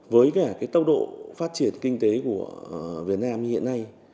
với cả tốc độ phát triển kinh tế của việt nam hiện nay